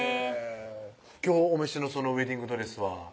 今日お召しのそのウエディングドレスは？